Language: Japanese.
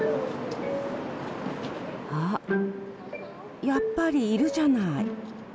あ、やっぱりいるじゃない。